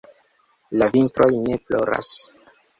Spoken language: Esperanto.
la vintroj ne ploras?